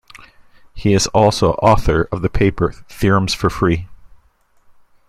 He is also author of the paper Theorems for free!